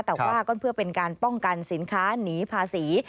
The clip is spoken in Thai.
แต่ว่าก็เพื่อเป็นการป้องกันสินค้านีภาษี